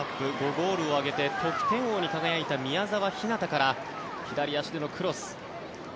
ゴールを挙げて得点王に輝いた宮澤ひなたから左足でのクロス。